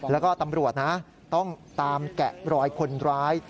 แล้วก็ตำรวจนะต้องตามแกะรอยคนร้าย